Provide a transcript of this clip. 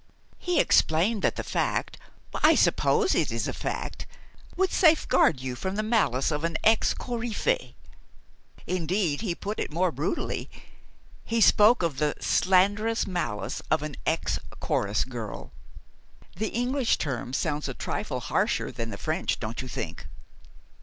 "He explained that the fact I suppose it is a fact would safeguard you from the malice of an ex coryphée. Indeed, he put it more brutally. He spoke of the 'slanderous malice of an ex chorus girl.' The English term sounds a trifle harsher than the French, don't you think?"